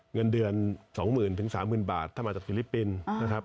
เงินเดือน๒๐๐๐๓๐๐บาทถ้ามาจากฟิลิปปินส์นะครับ